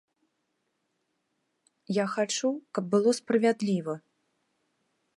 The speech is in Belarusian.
Я хачу, каб было справядліва.